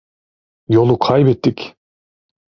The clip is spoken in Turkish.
Yolu kaybettik!